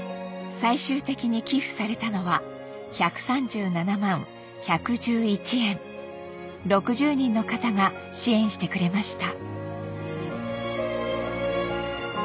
最終的に寄付されたのは１３７万１１１円６０人の方が支援してくれました